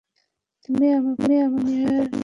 আমি আমার পরিবার নিয়ে আসব।